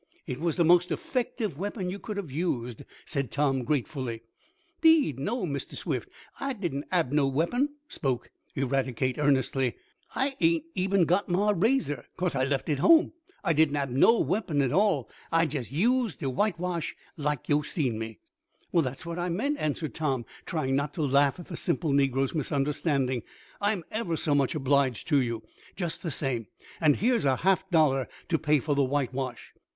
"It was the most effective weapon you could have used," said Tom, gratefully. "Deed no, Mistah Swift, I didn't hab no weapon," spoke Eradicate earnestly. "I ain't eben got mah razor, 'case I left it home. I didn't hab no weapon at all. I jest used de whitewash, laik yo' seen me." "That's what I meant," answered Tom, trying not to laugh at the simple negro's misunderstanding. "I'm ever so much obliged to you, just the same, and here's a half dollar to pay for the whitewash."